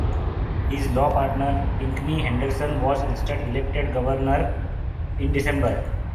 His law partner, Pinckney Henderson, was instead elected governor in December.